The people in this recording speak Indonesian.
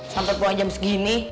sampai pulang jam segini